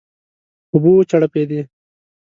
اوبه وچړپېدې.